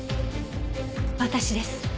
私です。